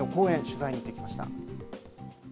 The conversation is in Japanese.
取材に行ってきました。